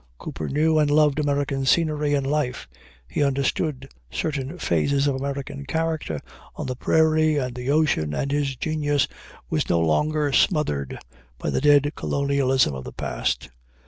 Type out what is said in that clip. Cooper knew and loved American scenery and life. He understood certain phases of American character on the prairie and the ocean, and his genius was no longer smothered by the dead colonialism of the past.